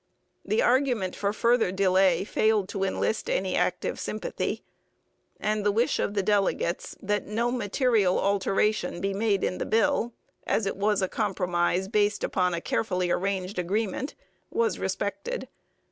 The argument for further delay failed to enlist any active sympathy; and the wish of the delegates that no material alteration be made in the bill, as it was a compromise based upon a carefully arranged agreement, was respected.